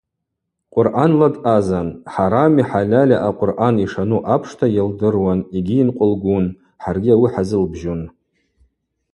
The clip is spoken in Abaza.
Къвыръанла дъазан, хӏарами хӏальальи а-Къвыръан йшану апшта йылдыруан йгьи йынкъвылгун, хӏаргьи ауи хӏазылбжьун.